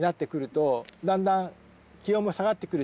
だんだん。